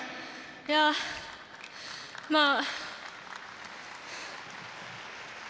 いや、まあ。